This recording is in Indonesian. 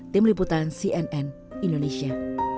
tim liputan cnn indonesia